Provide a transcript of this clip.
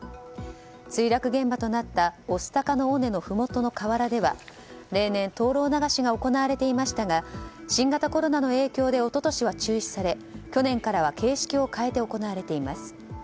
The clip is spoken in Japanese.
墜落現場となった御巣鷹の尾根の河原では例年、灯籠流しが行われていましたが新型コロナの影響で一昨年は中止され去年からは形式を変えて行われています。